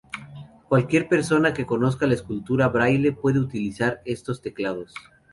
Cualquier persona que conozca la escritura braille puede utilizar estos teclados.